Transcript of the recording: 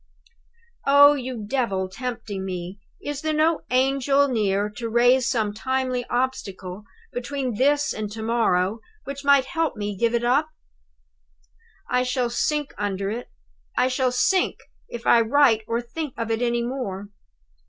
"Oh, you Devil tempting me, is there no Angel near to raise some timely obstacle between this and to morrow which might help me to give it up? "I shall sink under it I shall sink, if I write or think of it any more!